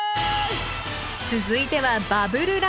続いては「バブルランウェイ」。